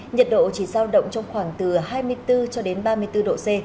nhiệt độ chỉ giao động trong khoảng từ hai mươi bốn cho đến ba mươi bốn độ c